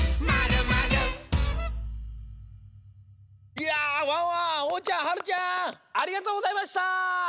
いやワンワンおうちゃんはるちゃんありがとうございました！